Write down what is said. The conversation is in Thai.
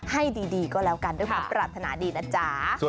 ให้ดีก็แล้วกันด้วยความปรารถนาดีนะจ๊ะ